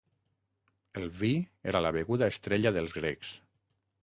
El vi era la beguda estrella dels grecs.